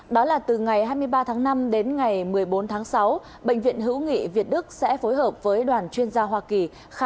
đó là từ ngày hai mươi ba tháng năm đến ngày một mươi bốn tháng sáu bệnh viện hữu nghị việt đức sẽ phối hợp với đoàn chuyên gia hoa kỳ